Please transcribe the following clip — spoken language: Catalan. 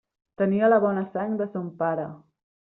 Tenia la bona sang de son pare.